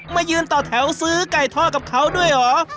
มายืนต่อแถวซื้อไก่ทอดกับเขาด้วยเหรอ